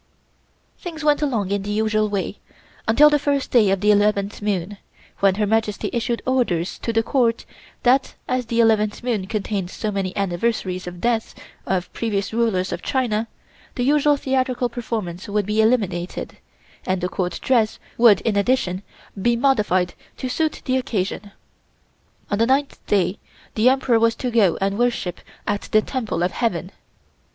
Things went along in the usual way until the first day of the eleventh moon, when Her Majesty issued orders to the Court that as the eleventh moon contained so many anniversaries of the deaths of previous rulers of China, the usual theatrical performance would be eliminated and the Court dress would in addition be modified to suit the occasion. On the ninth day the Emperor was to go and worship at the Temple of Heaven.